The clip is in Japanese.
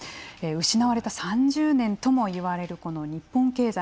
失われた３０年とも言われる日本経済。